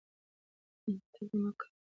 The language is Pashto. تله مه کموئ.